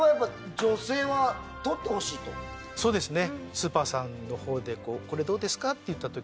そうですね。